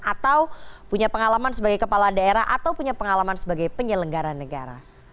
atau punya pengalaman sebagai kepala daerah atau punya pengalaman sebagai penyelenggara negara